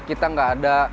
kita nggak ada